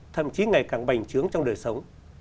thậm chí ngày càng bành trướng trong đời sống